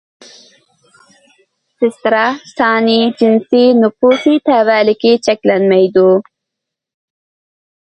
سېسترا: سانى، جىنسى، نوپۇس تەۋەلىكى چەكلەنمەيدۇ.